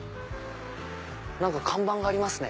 何か看板がありますね。